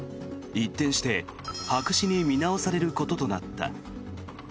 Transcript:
一転して白紙に見直されることとなった。